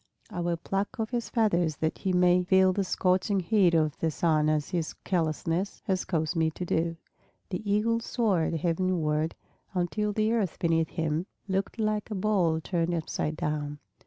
I will pluck off his feathers that he may feel the scorching heat of the sun as his carelessness has caused me to do." The Eagle soared heavenward, until the earth beneath him looked like a bowl turned upside down.